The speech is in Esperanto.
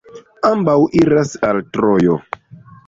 Ambaŭ iras al Trojo.